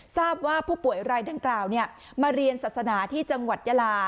ทราบว่าผู้ป่วยรายดังกล่าวมาเรียนศาสนาที่จังหวัดยาลา